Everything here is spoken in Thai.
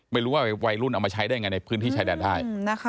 ไม่รู้ว่าวัยรุ่นเอามาใช้ได้ยังไงในพื้นที่ชายแดนได้